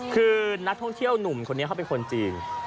คือนักท่องเที่ยวหนุ่มคนนี้เขาเป็นคนจีน